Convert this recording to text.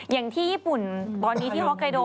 อย่างที่ญี่ปุ่นตอนนี้ที่ฮอกไกโด